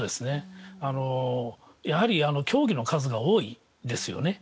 やはり競技の数が多いですよね。